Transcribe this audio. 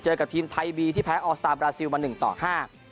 กับทีมไทยบีที่แพ้ออสตาร์บราซิลมาหนึ่งต่อห้า